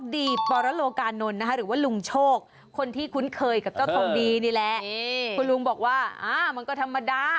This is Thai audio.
ดีนี่แหละคุณลุงบอกว่ามันก็ธรรมดา